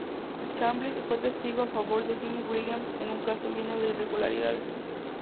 Chablis fue testigo a favor de Jim Williams, en un caso lleno de irregularidades.